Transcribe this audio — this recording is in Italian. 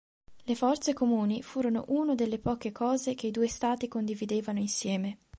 Le forze comuni furono uno delle poche cose che i due stati condividevano insieme.